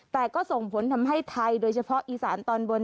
แต่ก็ส่งผลทำให้ไทยโดยเฉพาะอีสานตอนบน